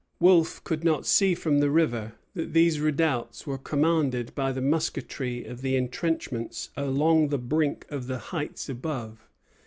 Wolfe could not see from the river that these redoubts were commanded by the musketry of the intrenchments along the brink of the heights above.